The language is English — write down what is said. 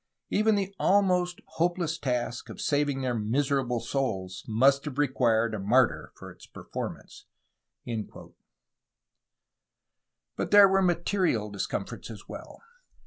Even the almost hopeless task of saving their miserable souls must have required a martyr for its performance." But there were material discomforts as well.